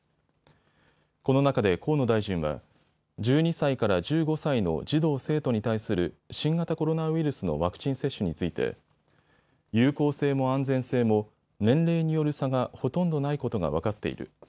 この中で河野大臣は１２歳から１５歳の児童・生徒に対する新型コロナウイルスのワクチン接種について有効性も安全性も年齢による差がほとんどないことが分かっている。